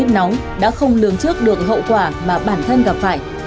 nóng đã không lường trước được hậu quả mà bản thân gặp phải